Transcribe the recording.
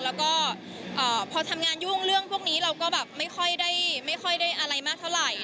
แล้วก็พอทำงานยุ่งเรื่องพวกนี้เราก็แบบไม่ค่อยได้อะไรมากเท่าไหร่